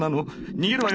逃げるわよ。